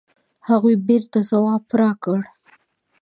هغوی بېرته ځواب راکړ.